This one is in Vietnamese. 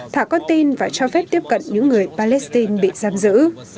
thả con tin và cho phép tiếp cận những người palestine bị giam giữ